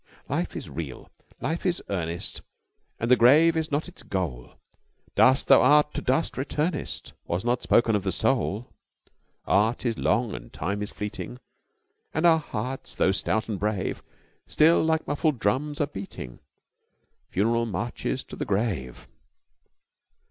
"Life is real! Life is earnest! And the grave is not its goal; Dust thou art to dust returnest, Was not spoken of the soul. Art is long and time is fleeting. And our hearts though stout and brave, Still like muffled drums are beating Funeral marches to the grave.